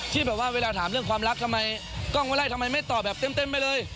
ที่แบบว่าเวลาถามเรื่องความรักทำไมกล้องว่าไล่ทำไมไม่ตอบแบบเต็มไปเลย